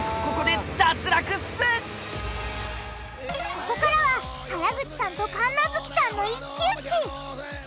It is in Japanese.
ここからは原口さんと神奈月さんの一騎打ち。